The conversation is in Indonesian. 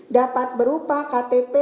dapat berupa ktp